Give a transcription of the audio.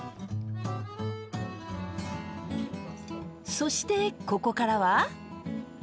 そしてここからは。